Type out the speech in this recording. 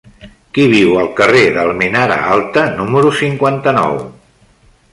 Qui viu al carrer d'Almenara Alta número cinquanta-nou?